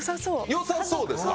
よさそうですか？